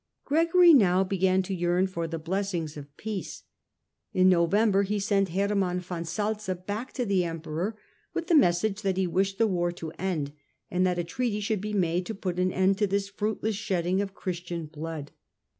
Gregory now began to yearn for the blessings of peace. In November he sent Hermann von Salza back to the Emperor with the message that he wished the war to end and that a treaty should be made to put an end to this fruitless shedding of Christian blood.